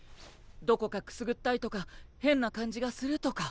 どこかくすぐったいとか変な感じがするとか？